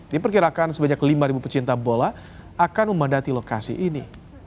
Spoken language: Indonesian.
diperkirakan sebanyak lima pecinta bola akan memadati lokasi ini